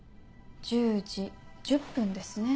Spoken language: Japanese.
１０時１０分ですね。